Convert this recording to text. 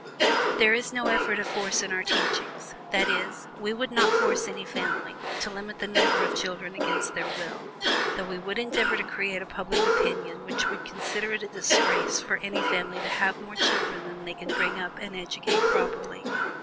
"There is no element of force in our teachings; that is, we would not force any family to limit the number of children against their will, though we would endeavor to create a public opinion which would consider it a disgrace for any family to have more children than they can bring up and educate properly.